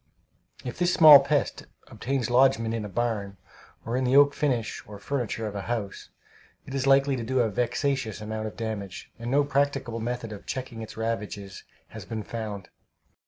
If this small pest obtains lodgment in a barn, or in the oak finish or furniture of a house, it is likely to do a vexatious amount of damage, and no practicable method of checking its ravages has been found.